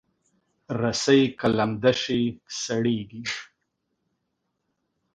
رسۍ که لمده شي، سړېږي.